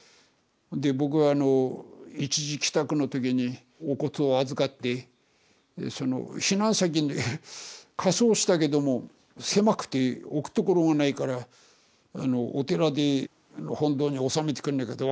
で僕は一時帰宅の時にお骨を預かって避難先に火葬したけども狭くて置くところがないからお寺で本堂に納めてくんねぇかって。